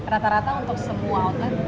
rata rata untuk semua outlet